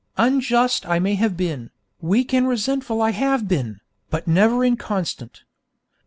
Unjust I may have been, weak and resentful I have been, but never inconstant.